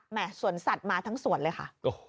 แหม่ส่วนสัตว์มาทั้งส่วนเลยค่ะ